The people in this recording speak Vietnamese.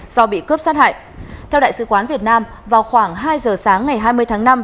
do bị cướp sát hại theo đại sứ quán việt nam vào khoảng hai giờ sáng ngày hai mươi tháng năm